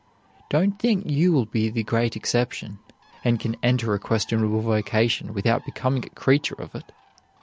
Don't think you will be the great exception, and can enter a questionable vocation without becoming a creature of it.